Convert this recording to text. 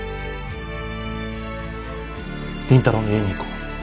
倫太郎の家に行こう。